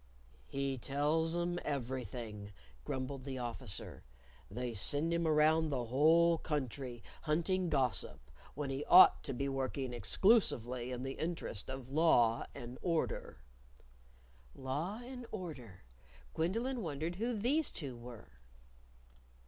"He tells 'em everything," grumbled the Officer. "They send him around the whole country hunting gossip when he ought to be working exclusively in the interest of Law and Order." Law and Order Gwendolyn wondered who these two were.